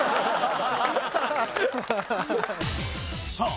さあ